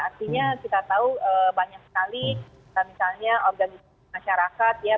artinya kita tahu banyak sekali misalnya organisasi masyarakat ya